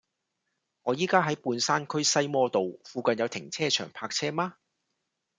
我依家喺半山區西摩道，附近有停車場泊車嗎